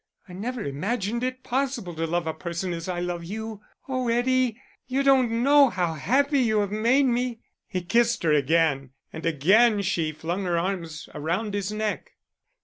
I never imagined it possible to love a person as I love you. Oh, Eddie, you don't know how happy you have made me." He kissed her again, and again she flung her arms around his neck.